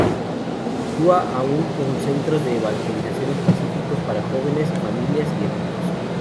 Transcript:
Actúa aún con centros de Evangelización específicos para jóvenes, familias y adultos.